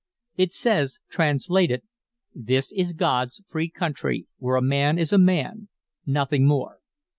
It says, translated: "This is God's free country where a man is a man, nothing more.